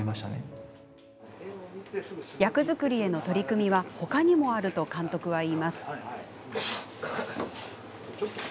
役作りへの取り組みは他にもあると監督は言います。